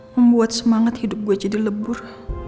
membuat semangat hidup gue jadi lebur